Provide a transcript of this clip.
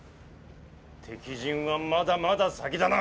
敵陣はまだまだ先だな。